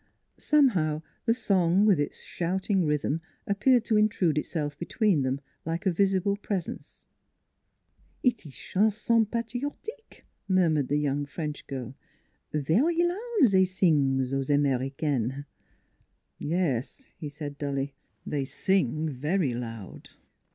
Somehow the song with its shouting rhythm appeared to intrude itself between them like a visible presence. " Eet ees chanson patriotique" murmured the young French girl. " Very loud zey sing zose Americaine." " Yes," he said dully; " they sing very loud.